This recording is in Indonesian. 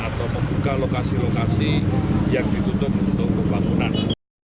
atau membuka lokasi lokasi yang ditutup untuk pembangunan